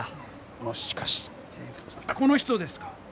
もしかしてこの人ですか？